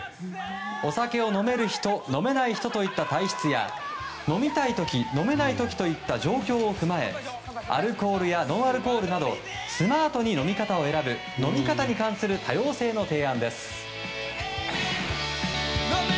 お酒を飲める人飲めない人といった体質や飲みたい時飲めない時といった状況を踏まえアルコールやノンアルコールなどスマートに飲み方を選ぶ飲み方に関する多様性の提案です。